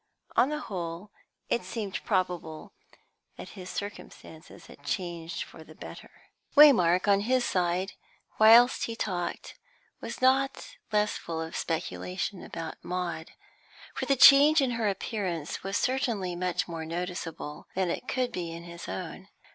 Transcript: On the whole, it seemed probable that his circumstances had changed for the better. Waymark, on his side, whilst he talked, was not less full of speculation about Maud. For the change in her appearance was certainly much more noticeable than it could be in his own.